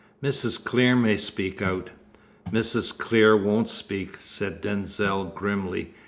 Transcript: "Mrs. Clear may speak out." "Mrs. Clear won't speak," said Denzil grimly.